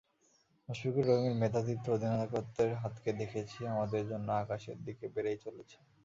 মুশফিকুর রহিমের মেধাদীপ্ত অধিনায়কত্বের হাতকে দেখেছি আমাদের জন্য আকাশের দিকে বেড়েই চলেছে।